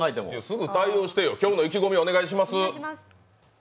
すぐ対応してよ、今日の意気込みお願いします。